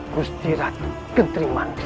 gusti ratu kendermani sendiri